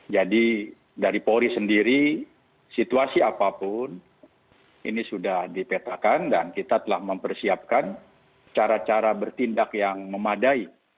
jadi dari polri sendiri situasi apapun ini sudah dipetakan dan kita telah mempersiapkan cara cara bertindak yang memadai